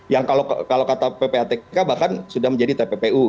yang kalau kata ppatk bahkan sudah menjadi tppu